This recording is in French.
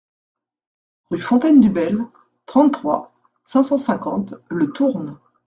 Rue Fontaine du Bayle, trente-trois, cinq cent cinquante Le Tourne